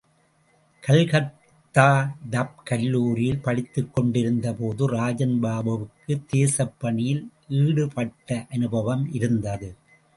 Calcutta Duff கல்லூரியில் படித்துக் கொண்டிருந்த போது, ராஜன்பாபுவுக்குத் தேசப் பணியில் ஈடுபட்ட அனுபவம் இருந்தது.